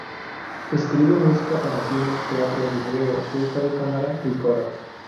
Escribe música para cine, teatro, vídeo, orquesta de cámara y coro.